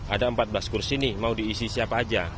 ada empat belas kursi nih mau diisi siapa aja